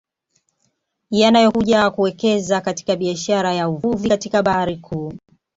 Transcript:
Yanayokuja kuwekeza katika biashara ya Uvuvi katika bahari kuu